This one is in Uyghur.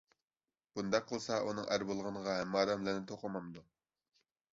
بۇنداق قىلسا ئۇنىڭ ئەر بولغىنىغا ھەممە ئادەم لەنەت ئوقۇمامدۇ؟